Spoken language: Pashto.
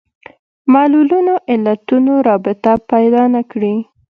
معلولونو علتونو رابطه پیدا نه کړي